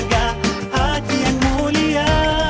ya ada apanya supaya